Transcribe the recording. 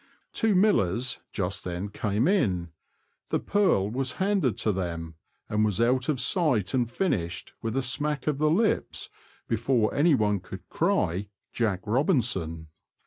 Two millers just then came in ; the purl was handed to them, and was out of sight and finished, with a smack of the lips, before one could cry "Jack Robinson."